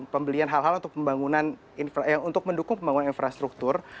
pembelian hal hal untuk mendukung pembangunan infrastruktur